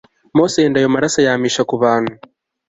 mose yenda ayo maraso ayamisha ku bantu